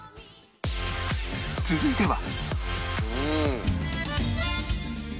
続いては